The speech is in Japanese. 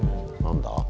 何だ？